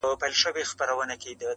حتمآ به ټول ورباندي وسوځيږي~